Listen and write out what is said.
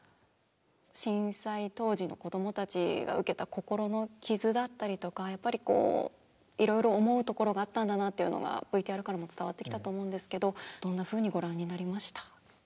震災当時の子どもたちが受けた心の傷だったりとかやっぱりこういろいろ思うところがあったんだなっていうのがＶＴＲからも伝わってきたと思うんですけどどんなふうにご覧になりました？